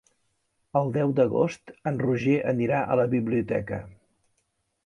El deu d'agost en Roger anirà a la biblioteca.